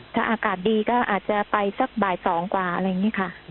ถ้าอากาศดีก็อาจจะไปสักบ่าย๒กว่าอะไรอย่างนี้ค่ะ